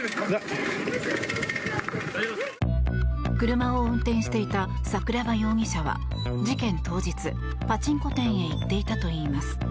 車を運転していた桜庭容疑者は事件当日、パチンコ店へ行っていたといいます。